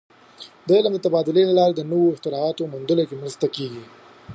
د علم د تبادلې له لارې د نوو اختراعاتو موندلو کې مرسته کېږي.